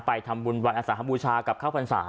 ไปทำบุญวันอาศานบูรชากับข้าวฟังสา